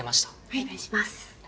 お願いします。